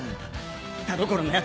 田所の奴